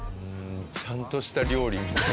ちゃんとした料理みたい。